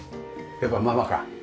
やっぱママか。